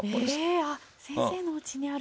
へえ先生のおうちにある。